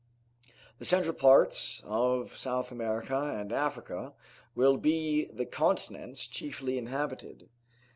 The central parts of South America and Africa will be the continents chiefly inhabited.